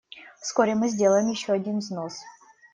Вскоре мы сделаем еще один взнос.